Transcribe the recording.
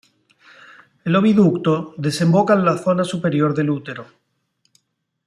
El oviducto desemboca en la zona superior del útero.